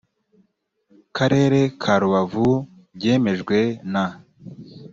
karere ka rubavu byemejwe na